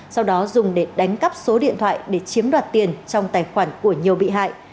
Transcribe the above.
sau đó dùng để đánh cắp số điện thoại để chiếm đoạt tiền trong tài khoản của nhiều bị hại